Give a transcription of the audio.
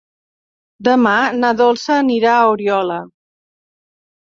Demà na Dolça anirà a Oriola.